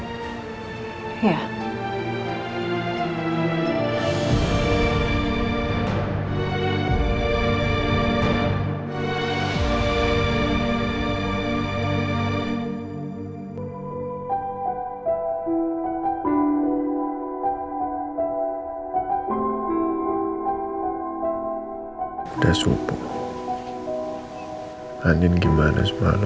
ke rumahnya alan